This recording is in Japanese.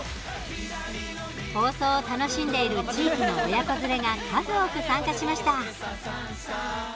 放送を楽しんでいる地域の親子連れが数多く参加しました。